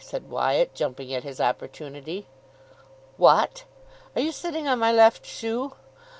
said Wyatt, jumping at his opportunity. "What? Are you sitting on my left shoe?"